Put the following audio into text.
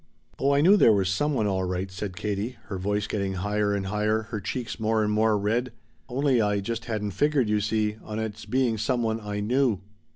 "Oh I knew there was some one, all right," said Katie, her voice getting higher and higher, her cheeks more and more red "only I just hadn't figured, you see, on its being some one I knew!